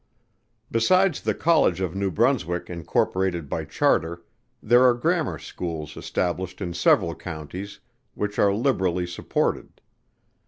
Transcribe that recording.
Besides the College of New Brunswick incorporated by charter, there are Grammar Schools established in several counties which are liberally supported.